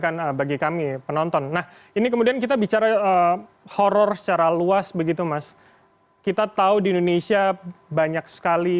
nah ini kemudian kita bicara horror secara luas begitu mas kita tahu di indonesia banyak sekali